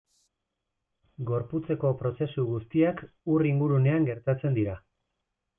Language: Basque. Gorputzeko prozesu guztiak ur ingurunean gertatzen dira.